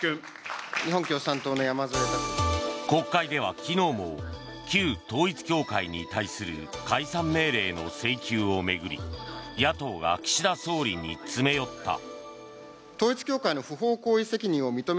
国会では昨日も旧統一教会に対する解散命令の請求を巡り野党が岸田総理に詰め寄った。